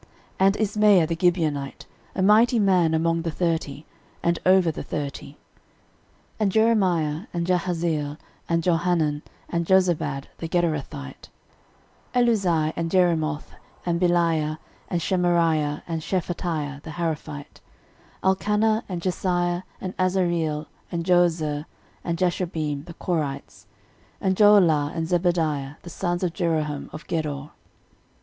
13:012:004 And Ismaiah the Gibeonite, a mighty man among the thirty, and over the thirty; and Jeremiah, and Jahaziel, and Johanan, and Josabad the Gederathite, 13:012:005 Eluzai, and Jerimoth, and Bealiah, and Shemariah, and Shephatiah the Haruphite, 13:012:006 Elkanah, and Jesiah, and Azareel, and Joezer, and Jashobeam, the Korhites, 13:012:007 And Joelah, and Zebadiah, the sons of Jeroham of Gedor.